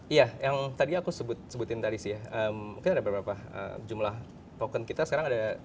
iya yang tadi aku sebutin tadi sih ya mungkin ada beberapa jumlah token kita sekarang ada